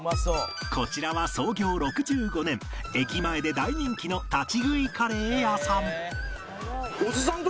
こちらは創業６５年駅前で大人気の立ち食いカレー屋さん